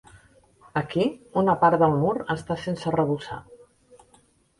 Aquí, una part del mur està sense arrebossar.